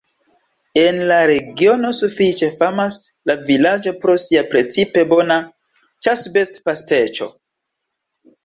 En la regiono sufiĉe famas la vilaĝo pro sia precipe bona ĉasbest-pasteĉo.